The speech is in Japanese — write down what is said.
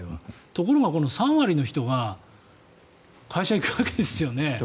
ところが、３割の人が会社に行くわけですよね。